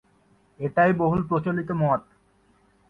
এটাই বহুল প্রচলিত মত।